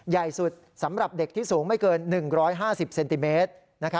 ใหญ่สุดสำหรับเด็กที่สูงไม่เกิน๑๕๐เซนติเมตร